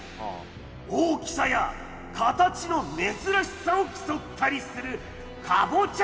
大きさや形の珍しさを競ったりするかぼちゃ